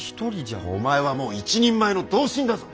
お前はもう一人前の同心だぞ。